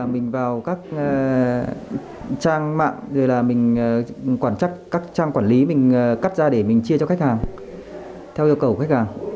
mình vào các trang mạng rồi là mình quản chắc các trang quản lý mình cắt ra để mình chia cho khách hàng theo yêu cầu của khách hàng